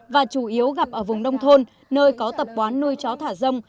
và chủ yếu gặp ở vùng nông thôn nơi có tập quán nuôi chó thả rông